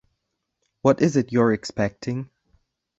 What is it you're expecting?